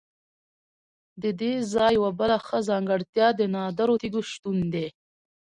ددې ځای یوه بله ښه ځانګړتیا د نادرو تیږو شتون دی.